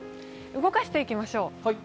動かしていきましょう。